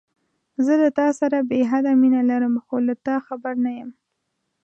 زه له تاسره بې حده مينه لرم، خو له تا خبر نه يم.